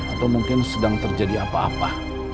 atau mungkin sedang terjadi apa apa